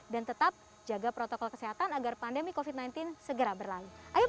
dan tetap jaga protokol kesehatan agar pandemi covid sembilan belas segera berlalu